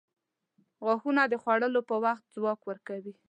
• غاښونه د خوړلو پر وخت ځواک ورکوي.